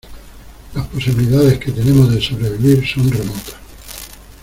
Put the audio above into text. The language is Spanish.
las posibilidades que tenemos de sobrevivir son remotas